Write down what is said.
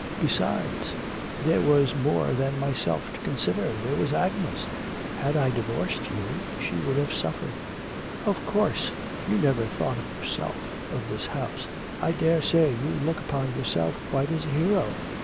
Besides, there was more than myself to consider, there was Agnes; had I divorced you she would have suffered.' 'Of course you never thought of yourself of this house; I daresay you look upon yourself quite as a hero.